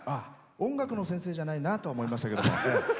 音楽の先生じゃないなとは思いましたけども。